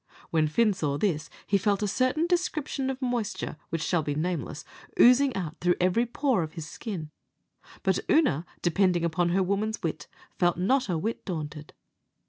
When Fin saw this, he felt a certain description of moisture, which shall be nameless, oozing out through every pore of his skin; but Oonagh, depending upon her woman's wit, felt not a whit daunted.